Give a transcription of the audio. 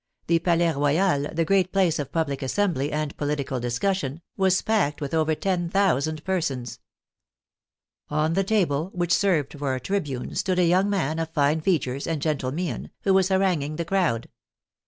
The Palais Royal, the great place of public assembly and political discussion, was packed with over ten thousand persons. On the table, which served for a tribune, stood a young man, of fine features and gentle mien, who was haranguing the crowd.